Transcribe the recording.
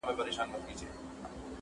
یووالی د ځواک سرچینه ده.